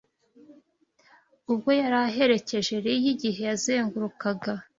Ubwo yari aherekeje Eliya igihe yazengurukaga